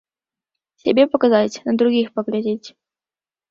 Сябе паказаць, на другіх паглядзець.